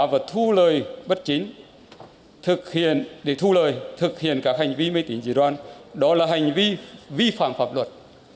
và thu lời bất chính để thu lời thực hiện các hành vi mê tính dự đoan đó là hành vi vi phạm pháp luật